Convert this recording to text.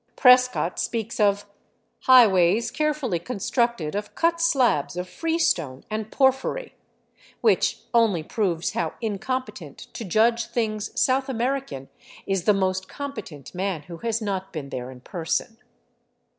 Prescott speaks of " highways care fully constructed of cut slabs of freestone and porphyry," which only proves how incompetent to judge things South American is the most competent man who has not been there in person.